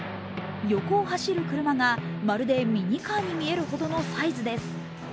横を走る車が、まるでミニカーに見えるほどのサイズです。